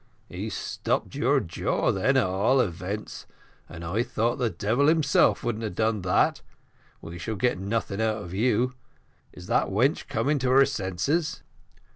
"He's stopped your jaw, then, at all events, and I thought the devil himself wouldn't have done that we shall get nothing of you. Is that wench coming to her senses?"